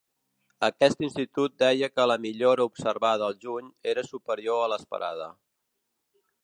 Aquest institut deia que la millora observada al juny era superior a l’esperada.